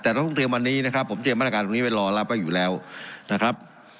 แต่เราต้องเตรียมวันนี้นะครับผมเตรียมมาตรการตรงนี้ไว้รอรับไว้อยู่แล้วนะครับ